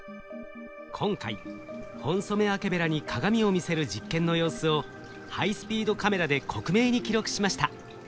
今回ホンソメワケベラに鏡を見せる実験の様子をハイスピードカメラで克明に記録しました。